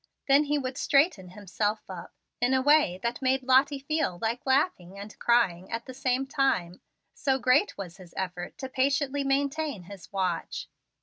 Then he would straighten himself up in a way that made Lottie feel like laughing and crying at the same time, so great was his effort to patiently maintain his watch.